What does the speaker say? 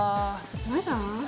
まだ？